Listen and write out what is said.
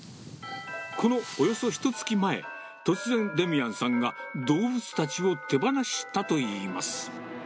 このおよそひとつき前、突然、デミアンさんが動物たちを手放したといいます。